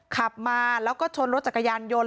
ขับมาแล้วก็ชนรถจักรยานยนต์